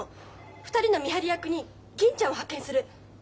２人の見張り役に銀ちゃんを派遣する。